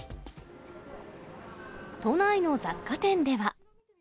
都内の雑貨店では。